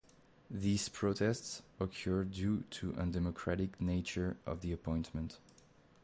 These protests occurred due to undemocratic nature of the appointment.